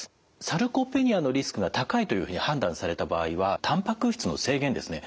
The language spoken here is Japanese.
サルコペニアのリスクが高いというふうに判断された場合はたんぱく質の制限ですね